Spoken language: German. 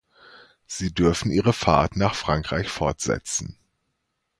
Sie dürfen ihre Fahrt nach Frankreich fortsetzen.